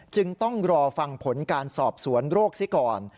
จึงต้องรอฟังผลการสอบสวนโรคซิก่อน